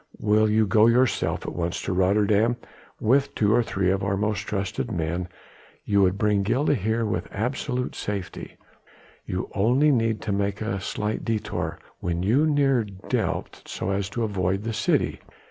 "Will you go yourself at once to Rotterdam? with two or three of our most trusted men you could bring Gilda here with absolute safety; you only need to make a slight détour when you near Delft so as to avoid the city.